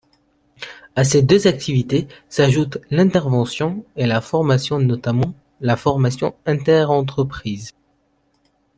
À ces deux activités s'ajoutent l'intervention et la formation, notamment la formation interentreprises.